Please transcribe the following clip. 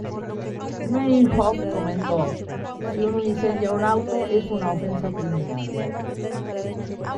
Meinhof comentó: "Si uno incendia un auto, es una ofensa criminal.